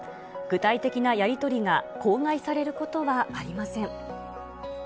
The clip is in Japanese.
具体的なやり取りが口外されることはありません。